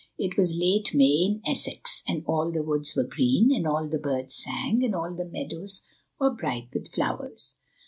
It was late May in Essex, and all the woods were green, and all the birds sang, and all the meadows were bright with flowers.